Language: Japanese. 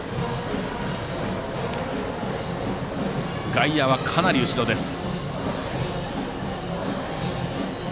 外野はかなり後ろです。